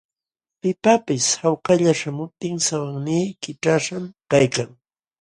Pipaqpis hawkalla śhamuptin sawannii kićhaśhqam kaykan.